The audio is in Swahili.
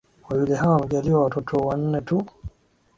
Wawili hao wamejaliwa watoto wanne tu